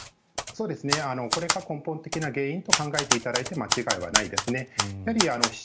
これが根本的な原因と考えていただいて間違いはないですね。